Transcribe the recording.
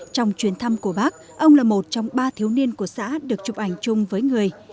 trong chuyến thăm của bác ông là một trong ba thiếu niên của xã được chụp ảnh chung với người